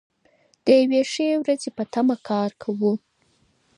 د یوې ښې ورځې په تمه کار کوو.